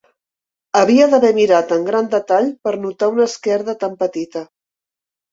Havia d'haver mirat amb gran detall per notar una esquerda tan petita.